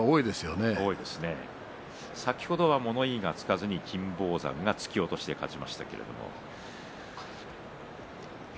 そうなんですね先ほどは物言いがつかずに金峰山が突き落としで勝ちました。